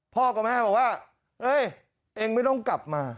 กับแม่บอกว่าเอ้ยเองไม่ต้องกลับมา